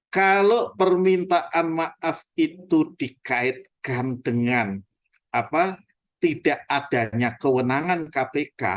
kalau permintaan maaf itu dikaitkan dengan tidak adanya kewenangan kpk